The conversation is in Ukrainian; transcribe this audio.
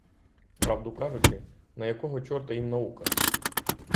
Правду кажучи, на якого чорта їм наука?